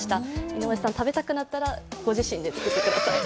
井上さん、食べたくなったらご自身で作ってください。